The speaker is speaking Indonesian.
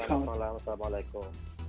selamat malam assalamualaikum